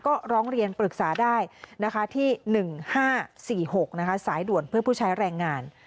ก็ร้องเรียนปรึกษาได้ที่๑๕๔๖สายด่วนเพื่อผู้ใช้แรงงาน